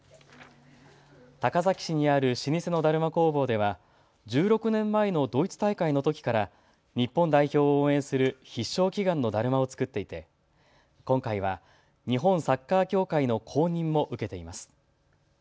高崎市にある老舗のだるま工房では１６年前のドイツ大会のときから日本代表を応援する必勝祈願のだるまを作っていて今回は日本サッカー協会の公認も受けています。